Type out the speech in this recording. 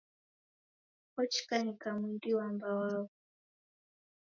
Ochikanyika mwindi wamba waghwa